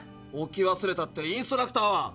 置き忘れたってインストラクターは？